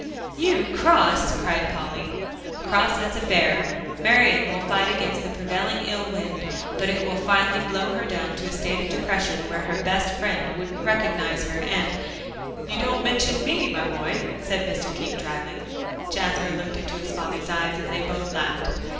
"You cross!" cried Polly. "Cross as a bear; Marian will fight against the prevailing ill wind, but it will finally blow her down to a state of depression where her best friend wouldn't recognize her, and" "You don't mention me, my boy," said Mr. King dryly. Jasper looked into his father's eyes, and they both laughed.